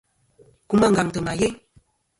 Kum àngaŋtɨ ma yeyn.